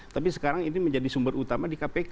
tapi sekarang ini menjadi sumber utama di kpk